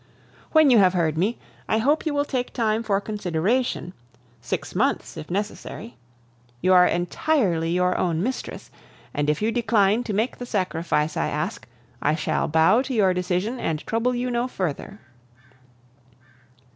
When you have heard me, I hope you will take time for consideration, six months if necessary. You are entirely your own mistress; and if you decline to make the sacrifice I ask, I shall bow to your decision and trouble you no further."